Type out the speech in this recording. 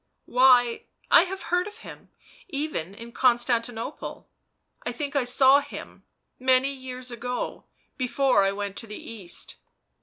" Why, I have heard of him — even in Constanti nople. I think I saw him — many years ago, before I went to the East."